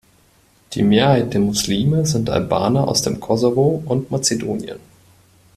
Die Mehrheit der Muslime sind Albaner aus dem Kosovo und Mazedonien.